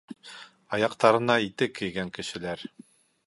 — Аяҡтарына итек кейгән кешеләр...